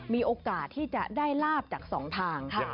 มีโอกาสที่จะได้ลาบจาก๒ทาง